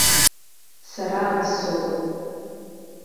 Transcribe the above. Сара аӡә соуп.